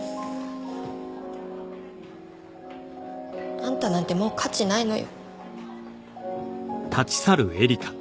あんたなんてもう価値ないのよ。